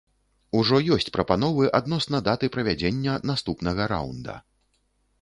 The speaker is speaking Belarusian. Ужо ёсць прапановы адносна даты правядзення наступнага раунда.